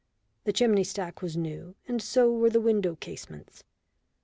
The chimney stack was new, and so were the window casements.